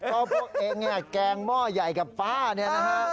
ก็พวกเองแกล้งหม้อใหญ่กับป้านะครับ